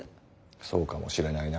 そうかもしれないな。